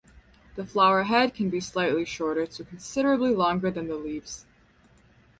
The flower head can be slightly shorter to considerably longer than the leaves.